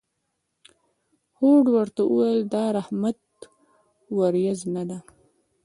هود ورته وویل: دا د رحمت ورېځ نه ده.